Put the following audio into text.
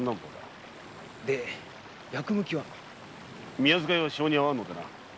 宮仕えは性に合わんのでな。